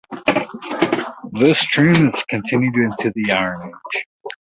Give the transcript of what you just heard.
This trend is continued into the Iron Age.